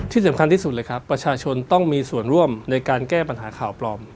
ที่สำคัญที่สุดเลยครับประชาชนต้องมีส่วนร่วมในการแก้ปัญหาข่าวปลอม